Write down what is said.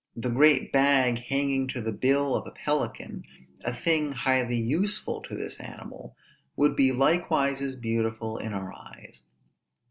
The great bag hanging to the bill of a pelican, a thing highly useful to this animal, would be likewise as beautiful in our eyes.